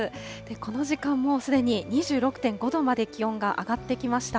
この時間、もうすでに２６．５度まで気温が上がってきました。